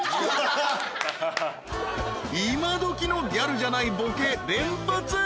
［今どきのギャルじゃないボケ連発！］